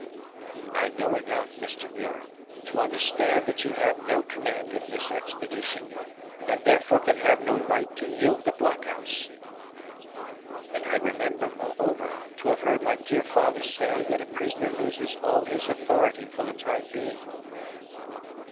"I know enough, Mr. Muir, to understand that you have no command in this expedition, and therefore can have no right to yield the blockhouse; and I remember, moreover, to have heard my dear father say that a prisoner loses all his authority for the time being."